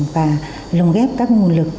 và lồng ghép các nguồn lực